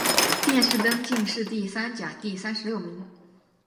殿试登进士第三甲第三十六名。